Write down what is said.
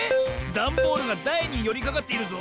ダンボールがだいによりかかっているぞ。